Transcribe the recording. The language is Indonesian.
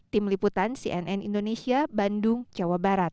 tim liputan cnn indonesia bandung jawa barat